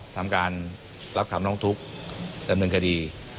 ทำการรับคำร้องทุกข์ดำเนินคดี